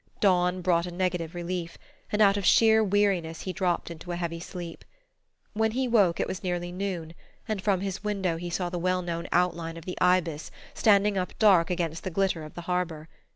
Dawn brought a negative relief, and out of sheer weariness he dropped into a heavy sleep. When he woke it was nearly noon, and from his window he saw the well known outline of the Ibis standing up dark against the glitter of the harbour.